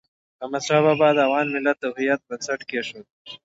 احمد شاه بابا د افغان ملت د هویت بنسټ کېښود.